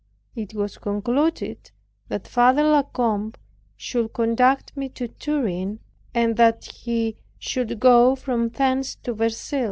It was concluded that Father La Combe should conduct me to Turin, and that he should go from thence to Verceil.